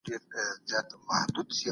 څېړونکی باید تل بې تعصبه تجزیه وکړي.